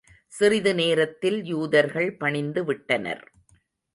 சிறிது நேரத்தில் யூதர்கள் பணிந்து விட்டனர்.